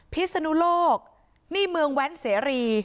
พิศนุโลกนี่เมืองแว้นเสรี